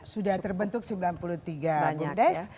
sudah terbentuk sembilan puluh tiga bumdes